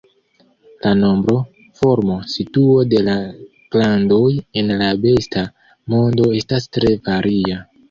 La nombro, formo, situo de la glandoj en la besta mondo estas tre varia.